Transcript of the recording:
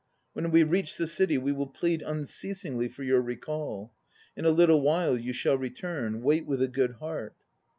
When we reach the City, we will plead unceasingly for your recall. In a little while you shall return. Wait with a good heart.